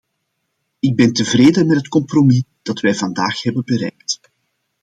Ik ben tevreden met het compromis dat wij vandaag hebben bereikt.